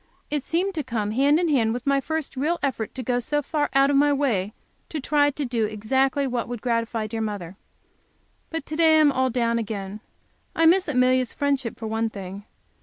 It seemed to come hand in hand with my first real effort to go so far out of myself as to try to do exactly what would gratify dear mother. But to day I am all down again. I miss Amelia's friendship, for one thing.